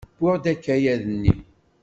Wwiɣ-d akayad-nni.